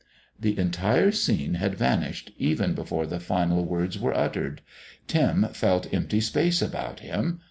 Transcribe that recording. The entire scene had vanished even before the final words were uttered. Tim felt empty space about him.